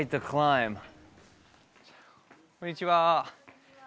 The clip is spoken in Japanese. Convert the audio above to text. こんにちは。